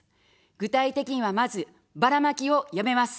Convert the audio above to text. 具体的にはまずバラマキをやめます。